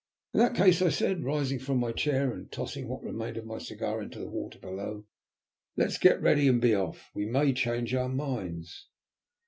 "In that case," I said, rising from my chair and tossing what remained of my cigar into the water below, "let us get ready and be off. We may change our minds."